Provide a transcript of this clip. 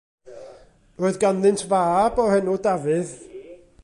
Roedd ganddynt fab o'r enw Dafydd.